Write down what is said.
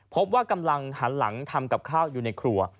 พบว่ากำลังหันหลังทำกับข้าวอยู่ในครัว